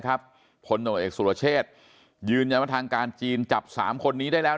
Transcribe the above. ผลตำรวจเอกสุรเชษยืนยันว่าทางการจีนจับ๓คนนี้ได้แล้ว